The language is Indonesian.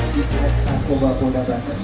di keres angkoba kondang banten